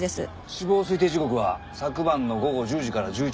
死亡推定時刻は昨晩の午後１０時から１１時の間。